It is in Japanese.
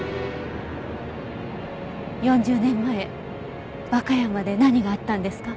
４０年前和歌山で何があったんですか？